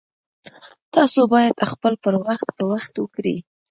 تاسو باید خپل پر وخت په وخت وکړئ